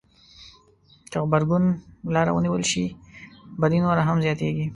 که غبرګون لاره ونیول شي بدي نوره هم زياتېږي.